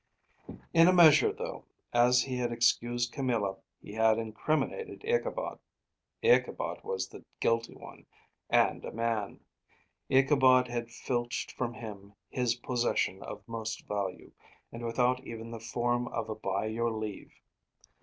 In a measure, though, as he had excused Camilla he had incriminated Ichabod. Ichabod was the guilty one, and a man. Ichabod had filched from him his possession of most value; and without even the form of a by your leave.